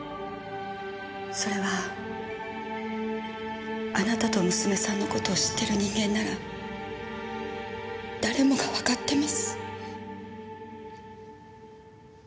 それはあなたと娘さんの事を知ってる人間なら誰もがわかってます。